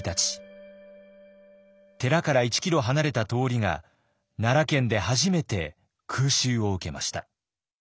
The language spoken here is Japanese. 寺から１キロ離れた通りが奈良県で初めて空襲を受けました。